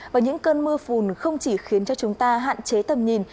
và những cơn mưa phùn không chỉ khiến cho chúng ta hạn chế tầm nhìn